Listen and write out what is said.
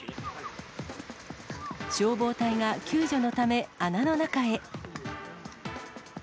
消防隊が救助のため、穴の中へ。